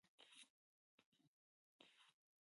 ازرې ولسوالۍ ولې لیرې ده؟